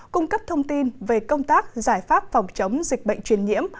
cung cấp thông tin về công tác giải pháp phòng chống dịch bệnh truyền nhiễm